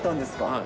はい。